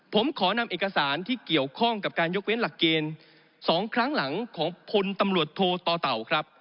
ผมขอนำเอกสารที่เกี่ยวข้องกับการยกเว้นหลักเกณฑ์๒ครั้งหลังของพลตำรวจโทต่อเต่าครับ